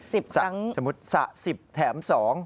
สมมุติสระ๑๐แถม๒